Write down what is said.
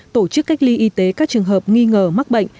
tổ chức cách ly y tế các trường hợp nghi ngờ mắc bệnh